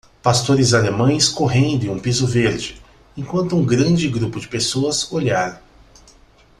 Pastores alemães correndo em um piso verde, enquanto um grande grupo de pessoas olhar.